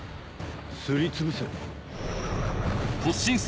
すりつぶせ。